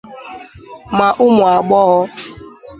ma ụmụagbọghọ